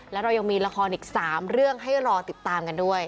แล้วเรายังมีละครอีก๓เรื่องให้รอติดตามกันด้วย